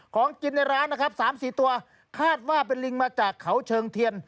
ของกินในร้านนะครับ๓๔ตัวคาดว่าเป็นลิงมาจากเขาเชิงเทียน